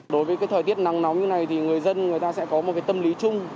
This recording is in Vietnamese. đối với cái thời tiết nắng nóng như thế này thì người dân người ta sẽ có một cái tâm lý chung